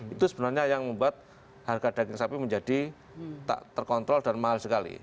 itu sebenarnya yang membuat harga daging sapi menjadi tak terkontrol dan mahal sekali